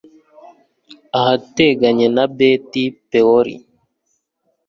ahateganye na beti pewori